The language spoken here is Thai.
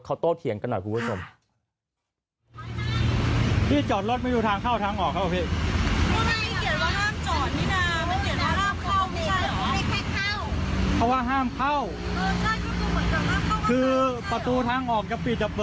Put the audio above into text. เขาโตเถียงกันหน่อยคุณผู้ชม